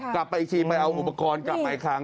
กลับไปอีกทีไม่เอาอุปกรณ์กลับมาอีกครั้ง